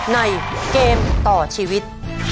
ในเกมต่อชีวิต